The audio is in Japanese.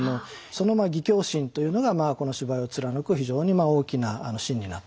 その義侠心というのがこの芝居を貫く非常に大きな芯になってるというわけなんですね。